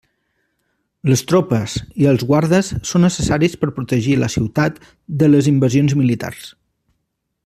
Les tropes i els guardes són necessaris per protegir la ciutat de les invasions militars.